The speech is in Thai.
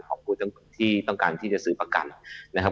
ผู้ที่ต้องการที่จะซื้อประกันนะครับ